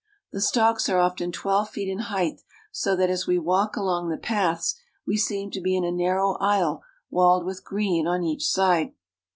The stalks are often twelve feet in height ; so that, as we walk along the paths, we seem to be in a narrow aisle walled with green on each side.